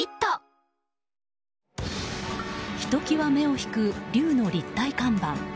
ひときわ目を引く龍の立体看板。